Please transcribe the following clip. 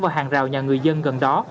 vào hàng rào nhà người dân gần đó